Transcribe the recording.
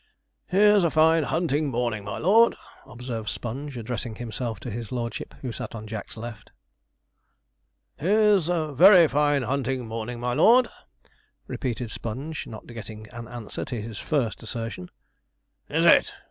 'Here's a fine hunting morning, my lord,' observed Sponge, addressing himself to his lordship, who sat on Jack's left. 'Here's a very fine hunting morning, my lord,' repeated Sponge, not getting an answer to his first assertion. 'Is it?'